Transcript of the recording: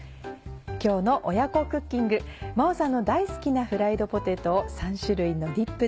今日の親子クッキング真央さんの大好きなフライドポテトを３種類のディップで。